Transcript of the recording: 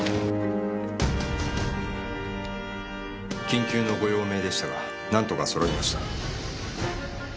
緊急のご用命でしたが何とか揃いました。